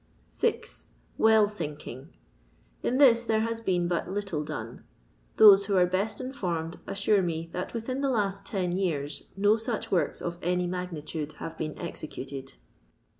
6. Well'tinHng. — In this there has been but little done. Those who are best informed assure me that within the last ten years no such works of any magnitude haye been executed.